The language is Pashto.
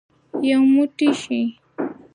یو موټی شئ.